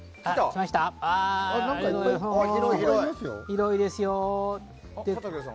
広いですよ。